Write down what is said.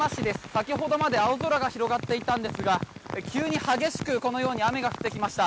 先ほどまで青空が広がっていたんですが急に激しくこのように雨が降ってきました。